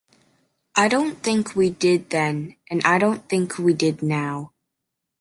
I don't think we did then and I don't think we did now.